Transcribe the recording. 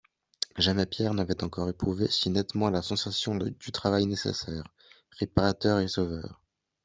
Jamais Pierre n'avait encore éprouvé si nettement la sensation du travail nécessaire, réparateur et sauveur.